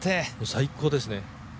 最高ですね。